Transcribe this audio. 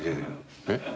えっ？